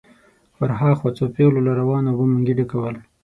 ور هاخوا څو پېغلو له روانو اوبو منګي ډکول.